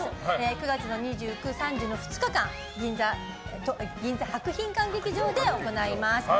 ９月２９日、３０の２日間銀座博品館劇場で行います。